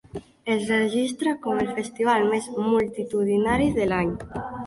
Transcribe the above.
Es registra com el festival més multitudinari de l'any.